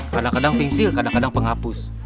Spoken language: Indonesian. kadang kadang pingsil kadang kadang penghapus